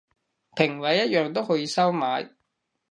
評委一樣都可以收買